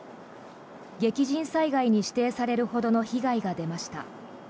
激甚災害に指定されるほどの被害が出ました。